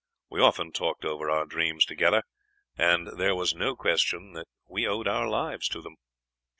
We often talked over our dreams together, and there was no question that we owed our lives to them.